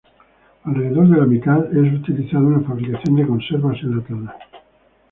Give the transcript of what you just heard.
Alrededor de la mitad es utilizado en la fabricación de conservas enlatadas.